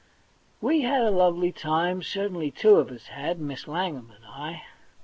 We had a lovely time ; certainly two of us had, Miss Langham and I.